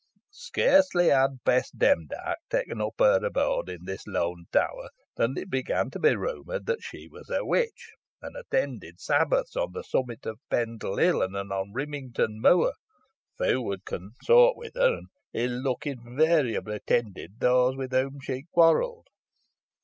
Scarcely had Bess Demdike taken up her abode in this lone tower, than it began to be rumoured that she was a witch, and attended sabbaths on the summit of Pendle Hill, and on Rimington Moor. Few would consort with her, and ill luck invariably attended those with whom she quarrelled.